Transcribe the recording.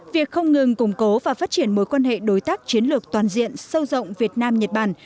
việc không ngừng củng cố và phát triển mối quan hệ đối tác chiến lược toàn diện sâu rộng việt nam nhật bản